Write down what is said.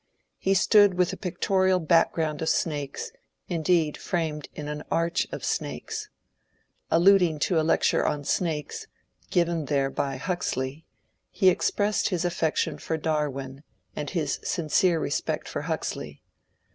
He stood with a pictorial background of snakes, indeed framed in an arch of snakes. Alluding to a lecture on snakes, given there by Hux ley, he expressed his affection for Darwin and his sincere respect for Huxley.